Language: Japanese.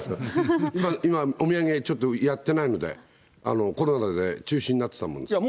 今、お土産、ちょっとやってないので、コロナで中止になってたもんですから。